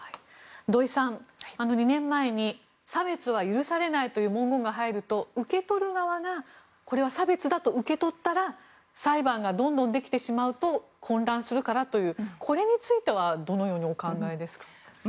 土井さん、２年前に差別は許されないという文言が入ると受け取る側がこれは差別だと受け取ったら裁判がどんどんできてしまうと混乱するからというこれについてはどのようにお考えですか。